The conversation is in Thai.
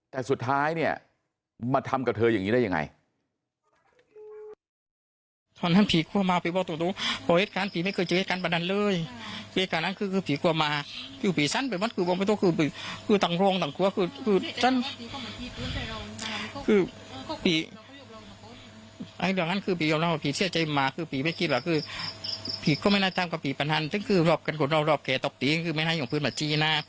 แต่สุดท้ายเนี่ยมาทำกับเธออย่างนี้ได้ยังไง